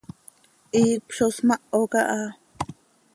Iicp zo smaho caha.